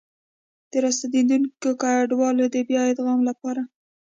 د راستنېدونکو کډوالو د بيا ادغام لپاره